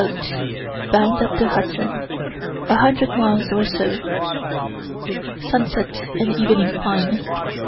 boat, bound up the Hudson, 100 miles or so. Sunset and evening fine.